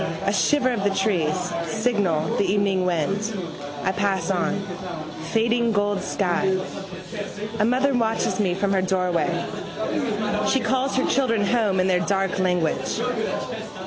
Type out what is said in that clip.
A shiver of the trees, signal, the evening wind. I pass on. Fading gold sky. A mother watches me from her doorway. She calls her children home in their dark language.